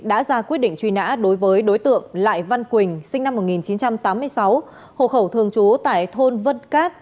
đã đối với đối tượng lại văn quỳnh sinh năm một nghìn chín trăm tám mươi sáu hộ khẩu thường trú tại thôn vân cát